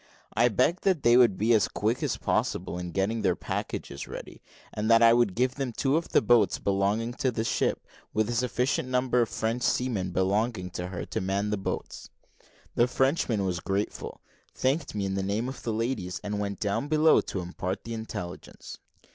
I begged that they would be as quick as possible in getting their packages ready, and that I would give them two of the boats belonging to the ship, with a sufficient number of French seamen belonging to her to man the boats. The Frenchman was very grateful, thanked me in the name of the ladies, and went down below to impart the intelligence.